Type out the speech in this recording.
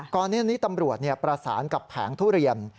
ก่อนหน้านี้ตำรวจประสานกับแผงทุเรียน